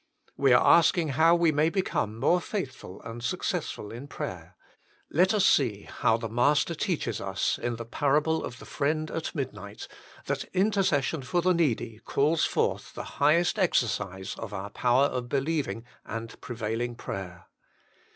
We are asking how we may become more faithful and successful in prayer ; let us see how the Master teaches us, in the parable of the Friend at Midnight, that intercession for the needy calls forth the highest exercise of our power of believing and prevailing prayer.